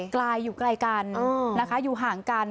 ไกลอยู่ไกลกันนะคะอยู่ห่างกัน